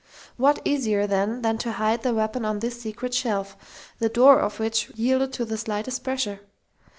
What easier, then, than to hide the weapon on this secret shelf, the "door" of which yielded to the slightest pressure?